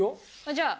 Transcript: じゃあ。